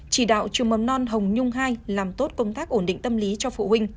chỉ đạo trường mầm non hồng nhung hai làm tốt công tác ổn định tâm lý cho phụ huynh